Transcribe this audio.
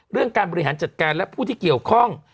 เรื่องการบริหารจัดการและผู้ที่เกี่ยวข้อง